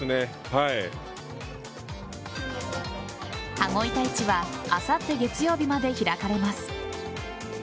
羽子板市はあさって月曜日まで開かれます。